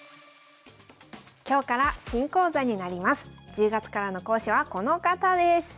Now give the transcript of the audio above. １０月からの講師はこの方です。